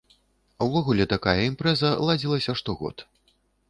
Увогуле такая імпрэза ладзілася штогод.